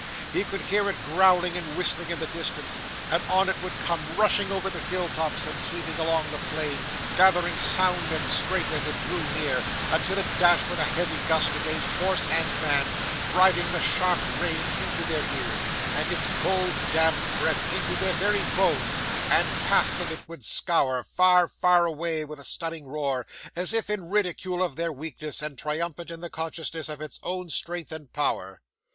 he could hear it growling and whistling in the distance, and on it would come rushing over the hill tops, and sweeping along the plain, gathering sound and strength as it drew nearer, until it dashed with a heavy gust against horse and man, driving the sharp rain into their ears, and its cold damp breath into their very bones; and past them it would scour, far, far away, with a stunning roar, as if in ridicule of their weakness, and triumphant in the consciousness of its own strength and power.